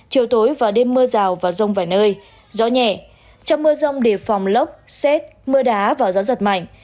trong mưa rông nguy cơ xảy ra lốc xét mưa đá và gió giật mạnh